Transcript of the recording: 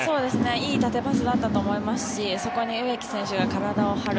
いい縦パスだったと思いますしそこに植木選手が体を張る。